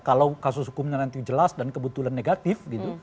kalau kasus hukumnya nanti jelas dan kebetulan negatif gitu